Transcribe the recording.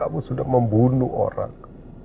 aku sudah membunuh orang